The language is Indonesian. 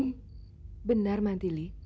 oh benar mantili